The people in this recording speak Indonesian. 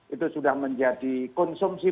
itu sudah menjadi konsumsi